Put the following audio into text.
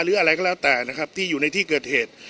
หรืออะไรก็แล้วแต่นะครับที่อยู่ในที่เกิดเหตุ